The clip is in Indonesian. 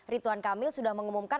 rituan kamil sudah mengumumkan